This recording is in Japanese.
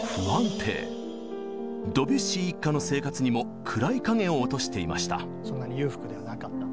ドビュッシー一家の生活にも暗い影を落としていました。